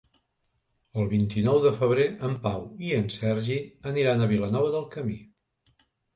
El vint-i-nou de febrer en Pau i en Sergi aniran a Vilanova del Camí.